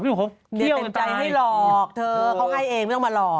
เครี่ยงใจให้หลอกเธอเค้าให้เองไม่ต้องมาหลอก